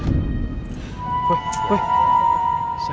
siapa yang meninggal